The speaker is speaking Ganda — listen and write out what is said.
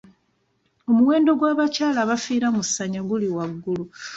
Omuwendo gw'abakyala abafiira mu ssanya guli waggulu.